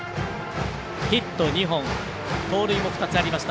ヒット２本盗塁も２つありました。